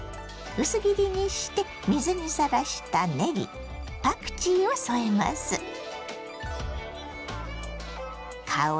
薄切りにして水にさらしたねぎパクチーを添えます。